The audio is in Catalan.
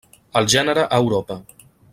El gènere a Europa.